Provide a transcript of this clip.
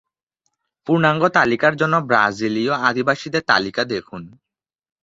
পূর্ণাঙ্গ তালিকার জন্য ব্রাজিলীয় আদিবাসীদের তালিকা দেখুন